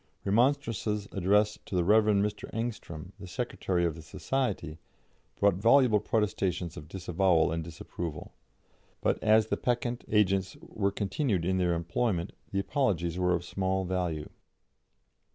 Remonstrances addressed to the Rev. Mr. Engström, the secretary of the society, brought voluble protestations of disavowal and disapproval; but as the peccant agents were continued in their employment, the apologies were of small value.